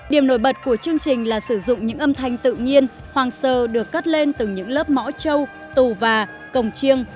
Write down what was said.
điểm nổi bật của chương trình là sử dụng những âm thanh tự nhiên hoàng sơ được cất lên từ những lớp mõ trâu tù và cổng chiêng